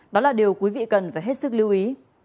đó là điều quý vị cần phải hết sức lưu ý